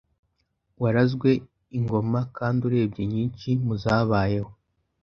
warazwe ingoma kandi urebye nyinshi mu zabayeho